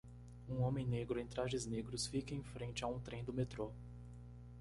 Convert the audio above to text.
Um homem negro em trajes negros fica em frente a um trem do metrô.